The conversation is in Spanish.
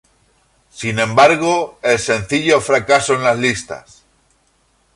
Sin embargo, el sencillo fracaso en las listas.